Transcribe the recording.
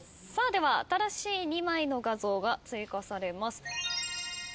新しい２枚の画像が追加されます。